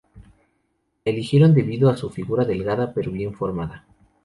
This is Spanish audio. La eligieron debido a su figura delgada pero bien formada.